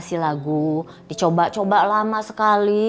isi lagu dicoba coba lama sekali